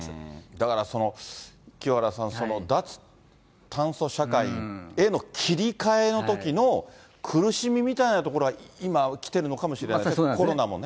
だから清原さん、脱炭素社会への切り替えのときの苦しみみたいなところが今、きてるのかもしれないですね、コロナもね。